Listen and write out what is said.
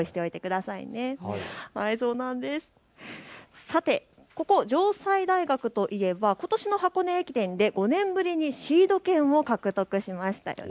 さて、ここ城西大学といえばことしの箱根駅伝で５年ぶりにシード権を獲得しました。